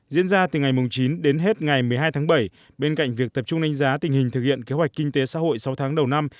diễn ra từ ngày chín đến hết ngày một mươi hai tháng bảy bên cạnh việc tập trung đánh giá tình hình thực hiện kế hoạch kinh tế xã hội sáu tháng đầu năm